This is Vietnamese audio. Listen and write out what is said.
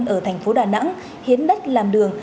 như thành phố đà nẵng hiến đất làm đường